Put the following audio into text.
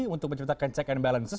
untuk menciptakan check and balances